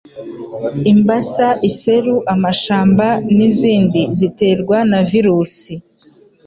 imbasa iseru amashamba n'izindi ziterwa na virusi